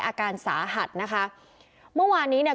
อาการสาหัสนะคะเมื่อวานนี้เนี่ย